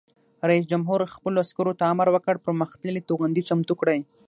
رئیس جمهور خپلو عسکرو ته امر وکړ؛ پرمختللي توغندي چمتو کړئ!